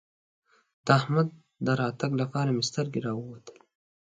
د احمد د راتګ لپاره مې سترګې راووتلې.